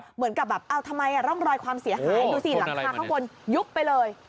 เหมือนกับแบบเอาทำไมร่องรอยความเสียหายดูสิหลังคาข้างบนยุบไปเลย